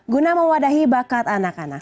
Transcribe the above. guna mewadahi bakat anak anak